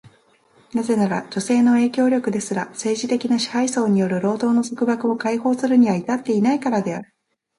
なぜなら、女性の影響力ですら、政治的な支配層による労働の束縛を解放するには至っていないからである。